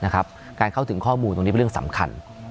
การเข้าถึงข้อมูลตรงนี้เป็นเรื่องสำคัญ